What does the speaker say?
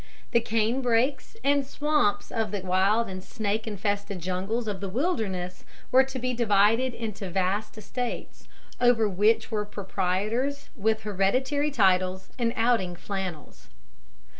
The canebrakes and swamps of the wild and snake infested jungles of the wilderness were to be divided into vast estates, over which were proprietors with hereditary titles and outing flannels.